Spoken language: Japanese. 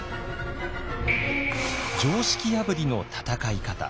常識破りの戦い方